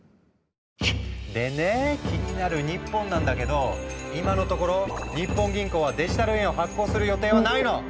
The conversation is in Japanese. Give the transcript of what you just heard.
でね気になる日本なんだけど今のところ日本銀行はデジタル円を発行する予定はないの。